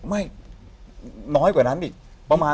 ไม่น้อยกว่านั้นอีกประมาณ